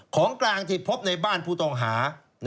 ของกลางที่พบในบ้านผู้ต้องหา